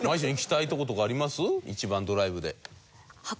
一番ドライブで。